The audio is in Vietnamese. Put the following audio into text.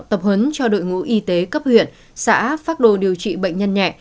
tập huấn cho đội ngũ y tế cấp huyện xã phác đồ điều trị bệnh nhân nhẹ